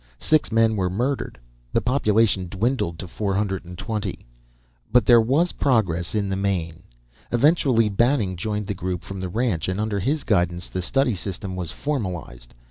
Six men were murdered. The population dwindled to four hundred and twenty. But there was progress, in the main. Eventually Banning joined the group, from the ranch, and under his guidance the study system was formalized.